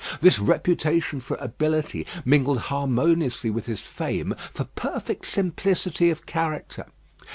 This reputation for ability mingled harmoniously with his fame for perfect simplicity of character.